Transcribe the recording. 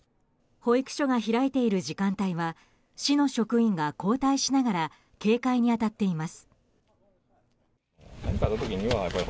保育所が開いている時間帯は市の職員が交代しながら警戒に当たっています。